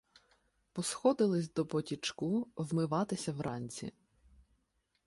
Посходились до потічку Вмиватися вранці.